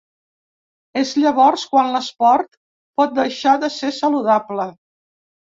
És llavors quan l’esport pot deixar de ser saludable.